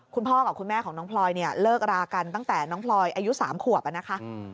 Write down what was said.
คุณพ่อกับคุณแม่ของน้องพลอยเนี่ยเลิกรากันตั้งแต่น้องพลอยอายุ๓ขวบนะคะ